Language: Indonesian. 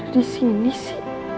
di sini sih